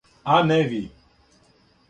А не ви.